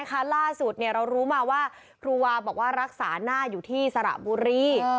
ล่าสุดเรารู้มาว่าครูวาบอกว่ารักษาหน้าอยู่ที่สระบุรี